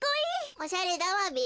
おしゃれだわべ。